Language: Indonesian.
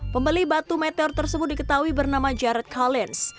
pembeli batu meteor tersebut diketahui bernama jared collins